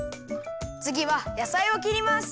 つぎはやさいをきります。